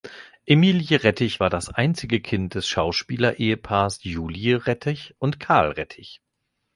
Emilie Rettich war das einzige Kind des Schauspielerehepaars Julie Rettich und Karl Rettich.